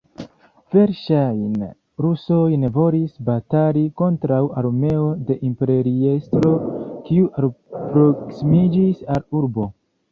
Verŝajne rusoj ne volis, batali kontraŭ armeo de imperiestro, kiu alproksimiĝis al urbo.